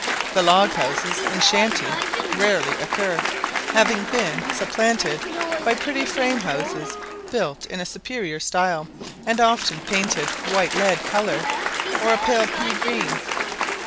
The log house and shanty rarely occur, having been supplanted by pretty frame houses, built in a superior style, and often painted white lead colour or a pale pea green.